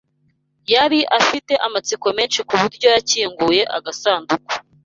Yari afite amatsiko menshi kuburyo yakinguye agasanduku.